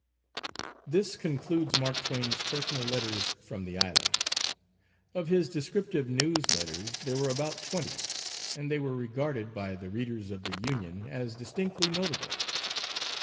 This concludes Mark Twain's personal letters from the islands. Of his descriptive news letters there were about twenty, and they were regarded by the readers of the Union as distinctly notable.